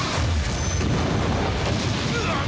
うわっ！